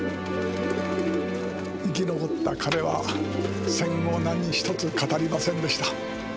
生き残った彼は戦後何一つ語りませんでした。